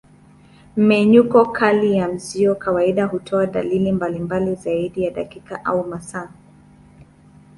Mmenyuko kali ya mzio kawaida hutoa dalili mbalimbali zaidi ya dakika au masaa.